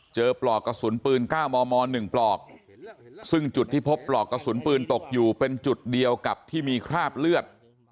ปลอกกระสุนปืน๙มม๑ปลอกซึ่งจุดที่พบปลอกกระสุนปืนตกอยู่เป็นจุดเดียวกับที่มีคราบเลือด